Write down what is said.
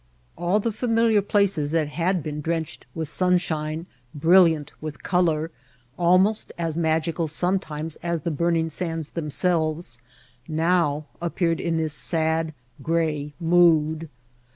All the familiar places that had been drenched with sunshine, brilliant with color, almost as magical sometimes as the burning sands them selves, now appeared in this sad, gray mood.